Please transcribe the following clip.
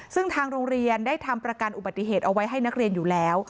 ซึ่งทางโรงเรียนได้ทำประกันอุบัติเหตุเอาไว้ให้นักเรียนอยู่แล้ว